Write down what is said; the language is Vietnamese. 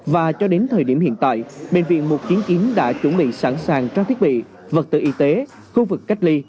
và cho đến thời điểm hiện tại bệnh viện một trăm chín mươi chín đã chuẩn bị sẵn sàng trang thiết bị vật tự y tế khu vực cách ly